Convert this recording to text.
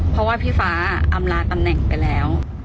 เพราะว่าพี่ฟ้าอำลาตำแหน่งไปแล้ว